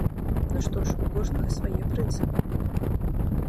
Ну што ж, у кожнага свае прынцыпы.